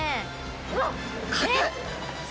わっ！硬い。